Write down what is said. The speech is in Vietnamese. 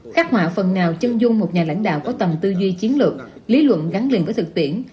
khắc họa phần nào chân dung một nhà lãnh đạo có tầm tư duy chiến lược lý luận gắn liền với thực tiễn